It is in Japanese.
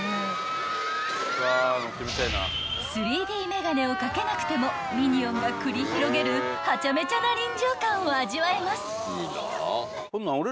［３Ｄ眼鏡をかけなくてもミニオンが繰り広げるハチャメチャな臨場感を味わえます］